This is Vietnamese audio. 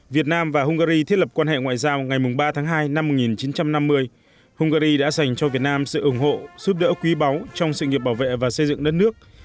việt nam và hungary thiết lập quan hệ ngoại giao ngày ba tháng hai năm một nghìn chín trăm năm mươi hungary đã dành cho việt nam sự ủng hộ giúp đỡ quý báu trong sự nghiệp bảo vệ và xây dựng đất nước